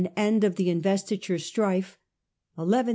END OF THE INVESTI TURE STRIFE. 1118 23.